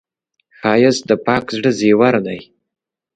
ښایست د پاک زړه زیور دی